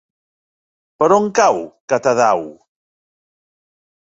Per on cau Catadau?